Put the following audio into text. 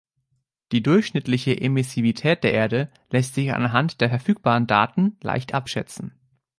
Die durchschnittliche Emissivität der Erde lässt sich anhand der verfügbaren Daten leicht abschätzen.